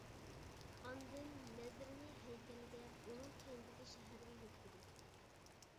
ئاندىن نەزىرىنى ھەيكەلگە، ئۇنىڭ كەينىدىكى شەھەرگە يۆتكىدى.